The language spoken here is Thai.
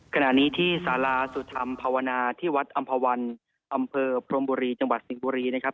ขณะนี้ที่สาราสุธรรมภาวนาที่วัดอำภาวันอำเภอพรมบุรีจังหวัดสิงห์บุรีนะครับ